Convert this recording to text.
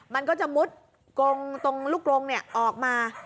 มันก็จะมุดตรงลูกรงค์ออกมา